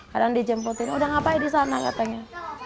kadang dijemputin udah ngapain di sana katanya